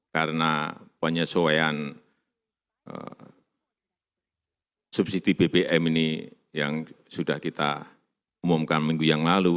karena penyesuaian subsidi bbm ini yang sudah kita umumkan minggu yang lalu